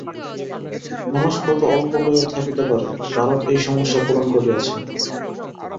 মানুষ কত অল্প লইয়া থাকিতে পারে, ভারত এই সমস্যা পূরণ করিয়াছে।